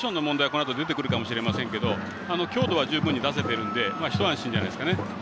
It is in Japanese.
このあと出てくると思いますけど強度は十分に出せているので一安心じゃないですかね。